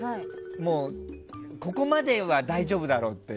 ここまでは大丈夫だろうって。